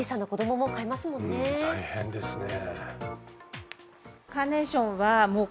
大変ですね。